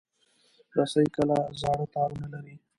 رسۍ کله زاړه تارونه لري.